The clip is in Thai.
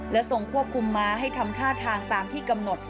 และทรงควบคุมม้าให้ทำท่าทางตามที่กำหนด